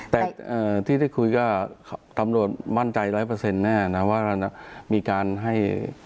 แต่ที่ได้คุยก็ตำรวจมั่นใจร้อยเปอร์เซ็นต์แน่นะว่ามีการให้